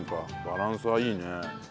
バランスがいいね。